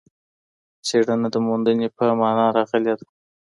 څېړنه د موندنې په مانا راغلې ده.